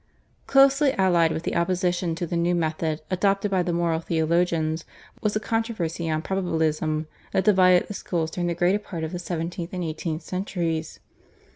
Closely allied with the opposition to the new method adopted by the moral theologians was the controversy on Probabilism, that divided the schools during the greater part of the seventeenth and eighteenth centuries.